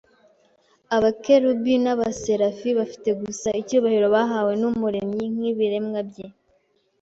Abakerubi n’Abaserafi bafite gusa icyubahiro bahawe n’Umuremyi nk’ibiremwa bye